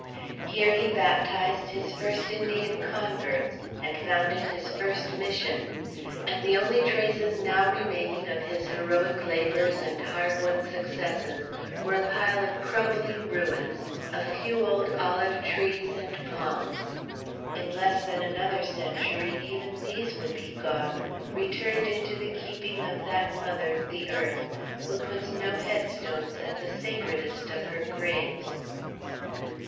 Here he baptized his first Indian converts, and founded his first Mission. And the only traces now remaining of his heroic labors and hard won successes were a pile of crumbling ruins, a few old olive trees and palms; in less than another century even these would be gone; returned into the keeping of that mother, the earth, who puts no head stones at the sacredest of her graves.